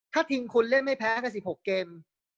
ถ้าทีมคุณเล่นไม่แพ้กัน๑๖เกม